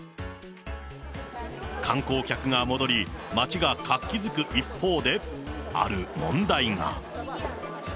観光客が戻り、街が活気づく一方で、ある問題が。